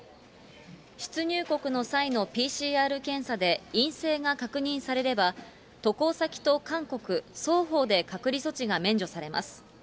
出入国の際のＰＣＲ検査で陰性が確認されれば、渡航先と韓国、双方で隔離措置が免除されます。